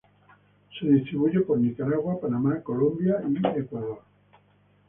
Se distribuye por Nicaragua, Panamá, Colombia y Ecuador.